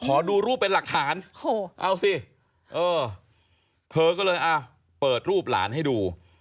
เขาดูรูปเป็นหลักฐานเธอเปิดรูปหลานให้ดู